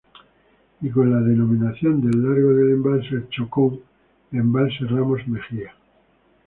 Y con la denominación del lago del embalse El Chocón, "Embalse Ramos Mexía".